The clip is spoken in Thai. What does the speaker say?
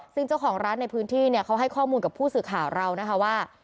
ซึ่งเจ้าของร้านในพื้นที่เนี่ยเขาให้ข้อมูลกับผู้สื่อข่าวเรานะคะว่า